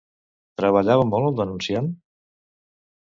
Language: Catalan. Treballava molt el denunciant?